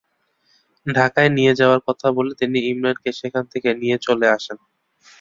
ঢাকায় নিয়ে যাওয়ার কথা বলে তিনি ইমরানকে সেখান থেকে নিয়ে চলে আসেন।